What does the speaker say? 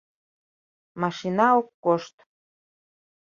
Машина ок кошт.